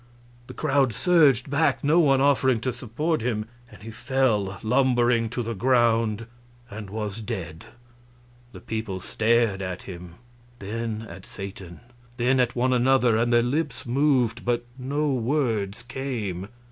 The crowd surged back, no one offering to support him, and he fell lumbering to the ground and was dead. The people stared at him, then at Satan, then at one another; and their lips moved, but no words came.